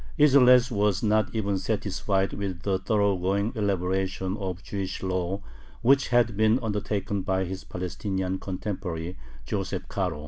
Isserles was not even satisfied with the thoroughgoing elaboration of Jewish law which had been undertaken by his Palestinian contemporary Joseph Caro.